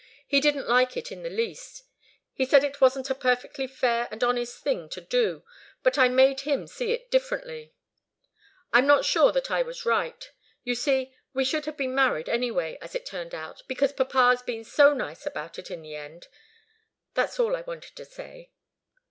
He didn't like it in the least. He said it wasn't a perfectly fair and honest thing to do. But I made him see it differently. I'm not sure that I was right. You see, we should have been married, anyway, as it's turned out, because papa's been so nice about it in the end. That's all I wanted to say."